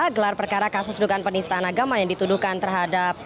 gelar perkara kasus dugaan penistaan agama yang dituduhkan terhadap